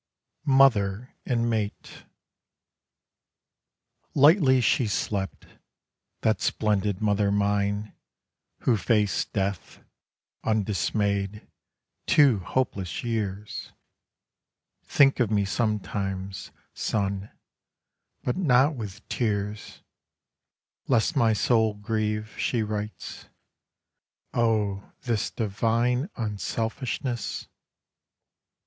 MOTHER AND MATE Lightly she slept, that splendid mother mine Who faced death, undismayed, two hopeless years.... ("Think of me sometimes, son, but not with tears Lest my soul grieve," she writes. Oh, this divine Unselfishness!) ...